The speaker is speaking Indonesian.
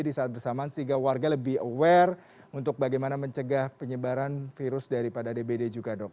di saat bersamaan sehingga warga lebih aware untuk bagaimana mencegah penyebaran virus daripada dbd juga dok